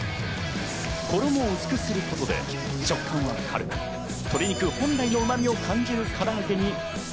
衣を薄くすることで食感は軽く、鶏肉本来のうま味を感じるからあげに。